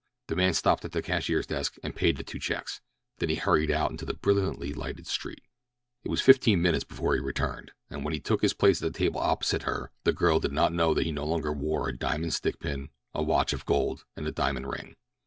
The man stopped at the cashier's desk and paid the two checks, then he hurried out into the brilliantly lighted street. It was fifteen minutes before he returned, and when he took his place at the table opposite her the girl did not know that he no longer wore a diamond stickpin, a watch of gold, and a diamond ring.